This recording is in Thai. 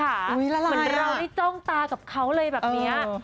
หลายอ่ะ๋อได้เลยค่ะเหมือนเรานี่จ้องตากับเขาเลยแบบเนี้ย